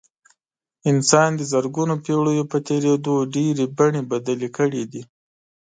انسان د زرګونو پېړیو په تېرېدو ډېرې بڼې بدلې کړې دي.